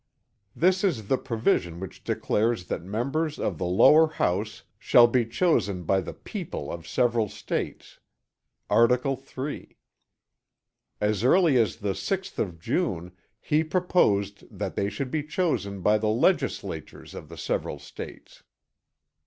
This is the provision which declares that members of the lower house shall be chosen by the people of the several States. Article 3. As early as the 6th of June he proposed that they should be chosen by the legislatures of the several States.